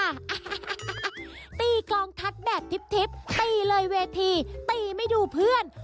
ตีกองทัดแบบทิพย์ตีเลยเวทีตีไม่ดูเพื่อน